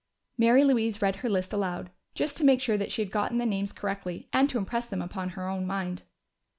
Mary Louise read her list aloud, just to make sure that she had gotten the names correctly and to impress them upon her own mind.